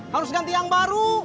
harus ganti yang baru